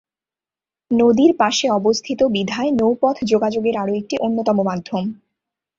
নদীর পাশে অবস্থিত বিধায় নৌ-পথ যোগাযোগের আরো একটি অন্যতম মাধ্যম।